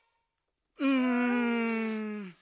うん。